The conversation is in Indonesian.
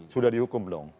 sudah dihukum dong